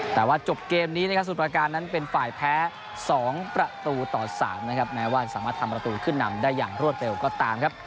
แต่ว่าจบเกมนี้นะครับสุดประการนั้นเป็นฝ่ายแพ้๒ประตูต่อ๓นะครับแม้ว่าสามารถทำประตูขึ้นนำได้อย่างรวดเร็วก็ตามครับ